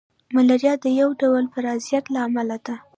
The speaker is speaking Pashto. ملاریا د یو ډول پرازیت له امله ده